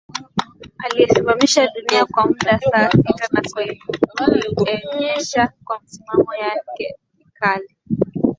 aliyesimamisha dunia kwa muda saa sita kwa kuienyesha kwa misimamo yake mikali